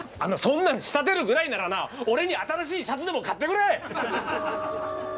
そんなの仕立てるぐらいならな俺に新しいシャツでも買ってくれ！